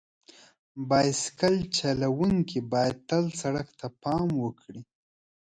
بایسکل چلونکي باید تل سړک ته پام وکړي.